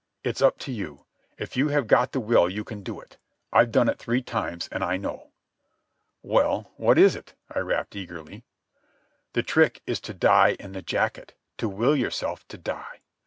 It's up to you. If you have got the will you can do it. I've done it three times, and I know." "Well, what is it?" I rapped eagerly. "The trick is to die in the jacket, to will yourself to die.